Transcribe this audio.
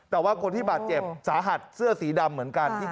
แต่ว่าคนที่บาดเจ็บสาหัสเสื้อสีดำเหมือนกัน